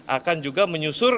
akan juga menyusur